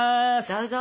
どうぞ！